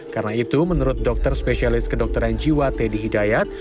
karena itu menurut dokter spesialis kedokteran jiwa teddy hidayat